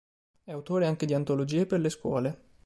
È autore anche di antologie per le scuole.